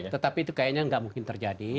tetapi itu kayaknya nggak mungkin terjadi